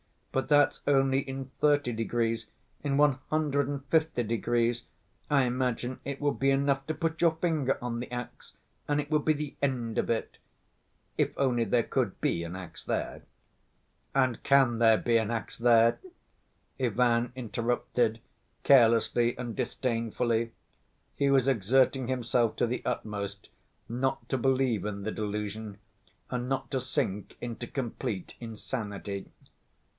But that's only in 30 degrees, in 150 degrees I imagine it would be enough to put your finger on the ax and it would be the end of it ... if only there could be an ax there." "And can there be an ax there?" Ivan interrupted, carelessly and disdainfully. He was exerting himself to the utmost not to believe in the delusion and not to sink into complete insanity.